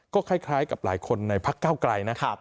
ก็คล้ายกับหลายคนในพักเก้าไกลนะ